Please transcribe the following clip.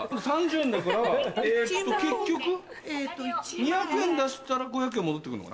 ２００円出したら５００円戻ってくんのかな？